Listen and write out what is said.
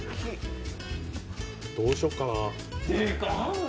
どうしようかな。